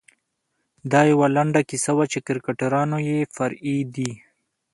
دا یوه لنډه کیسه وه چې کرکټرونه یې فرعي دي.